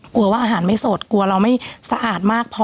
กลัวว่าอาหารไม่สดกลัวเราไม่สะอาดมากพอ